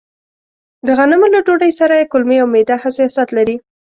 د غنمو له ډوډۍ سره يې کولمې او معده حساسيت لري.